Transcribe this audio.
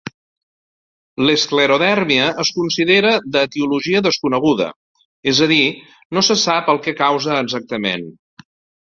L'esclerodèrmia es considera d'etiologia desconeguda, és a dir, no se sap el que causa exactament.